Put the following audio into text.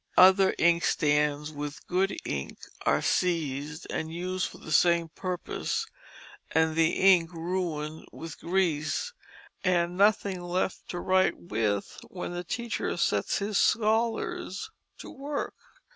Other inkstands with good ink are seized and used for the same purpose and the ink ruined with grease and nothing left to write with when the teacher sets his scholars to work.